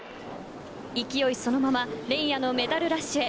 勢いそのまま連夜のメダルラッシュへ。